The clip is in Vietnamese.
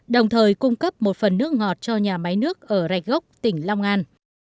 đồng thời cung cấp một phần nước ngọt cho nhà máy nước ở rạch gốc tỉnh long an